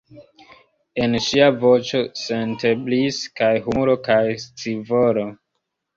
En ŝia voĉo senteblis kaj humuro, kaj scivolo.